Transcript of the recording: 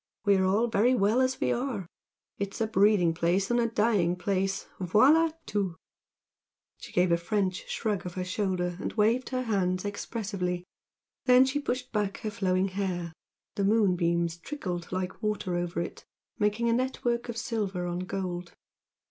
We are all very well as we are it's a breeding place and a dying place voila tout!" She gave a French shrug of her shoulder and waved her hands expressively. Then she pushed back her flowing hair, the moonbeams trickled like water over it, making a network of silver on gold.